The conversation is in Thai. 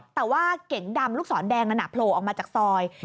แต่ว่าเก๋งดำลูกศรแดงนั้นโผล่ออกมาจากซอย